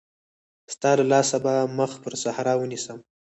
ستا له لاسه به مخ پر صحرا ونيسم.